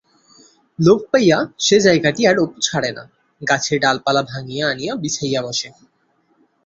লোভ পাইয়া সে জায়গাটি আর অপু ছাড়ে না-গাছের ডালপালা ভাঙিয়া আনিয়া বিছাইয়া বসে।